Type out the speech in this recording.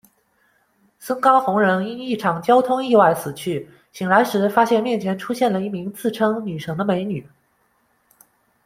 森冈弘人因一场交通意外死去，醒来时发现面前出现了一名自称女神的美女！